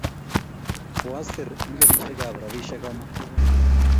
Koasir milionisiekab robisiek amut